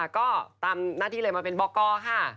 ก็ตามหน้าที่เลยมาเป็นบอกกค่ะ